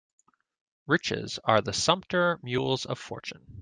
Riches are the sumpter mules of fortune.